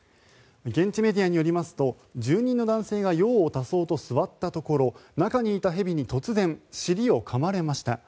現地メディアによりますと住人の男性が用を足そうと座ったところ中にいた蛇に突然、尻をかまれました。